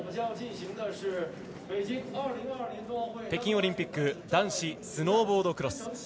北京オリンピック男子スノーボードクロス。